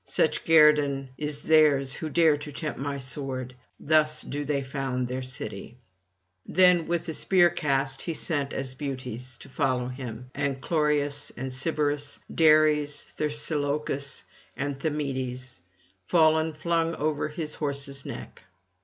Such guerdon is theirs who dare to tempt my sword; thus do they found their city.' Then with a spear cast he sends Asbutes to follow him, and Chloreus and Sybaris, Dares and Thersilochus, and Thymoetes fallen flung over his horse's neck.